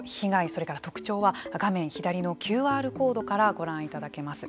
それから特徴は画面左のＱＲコードからご覧いただけます。